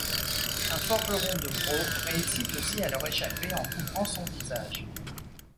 Un forgeron de Braux réussit aussi à leur échapper en couvrant son visage.